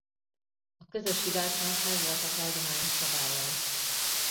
A közös ivásnak megvoltak a hagyományos szabályai.